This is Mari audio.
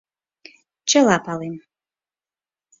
Чыла палем.